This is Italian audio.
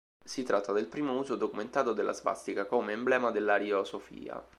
Si tratta del primo uso documentato della svastica come emblema dell'ariosofia.